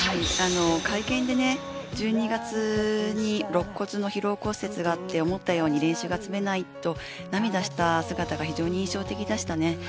会見で１２月に肋骨の疲労骨折があって思ったように練習が積めないと涙した姿が非常に印象的でした。